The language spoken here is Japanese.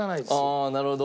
ああなるほど。